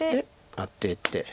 アテて。